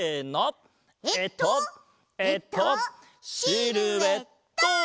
えっとえっとシルエット！